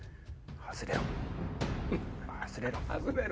「外れろ」